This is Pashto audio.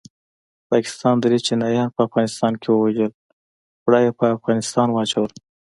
پاکستان دري چینایان په افغانستان کې ووژل پړه یې په افغانستان واچول